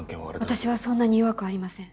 私はそんなに弱くありません。